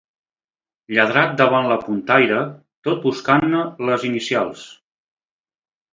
Lladrat davant la puntaire, tot buscant-ne les inicials.